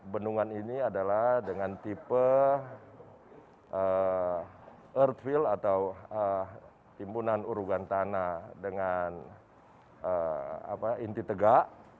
bendungan ini adalah dengan tipe earthfill atau timbunan urugan tanah dengan inti tegak